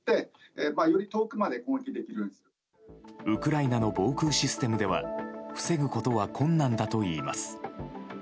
ウクライナの防空システムでは防ぐことは困難だといいます。